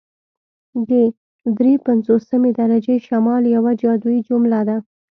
د دري پنځوسمې درجې شمال یوه جادويي جمله ده